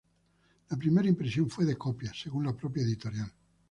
La primera impresión fue de copias, según la propia editorial.